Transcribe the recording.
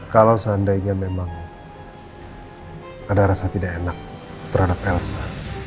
kalau seandainya memang ada rasa tidak enak terhadap elsa